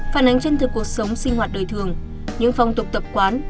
phản ánh chân thực cuộc sống sinh hoạt đời thường những phong tục tập quán